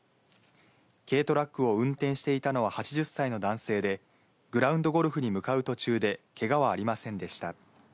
軽トラックを運転していたのは８０歳の男性で、グラウンドゴルフに向かう途中で、けがはありませんでした。